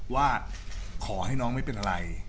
ว่าขอให้น้องไม่เป็นอะไร